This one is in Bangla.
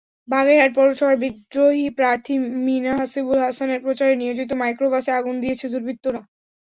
বাগেরহাট পৌরসভার বিদ্রোহী প্রার্থী মিনা হাসিবুল হাসানের প্রচারে নিয়োজিত মাইক্রোবাসে আগুন দিয়েছে দুর্বৃত্তরা।